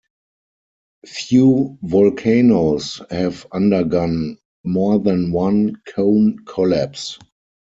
Few volcanoes have undergone more than one cone collapse.